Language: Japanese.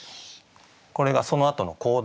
これがそのあとの行動。